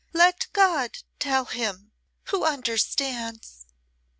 "Let God tell him who understands."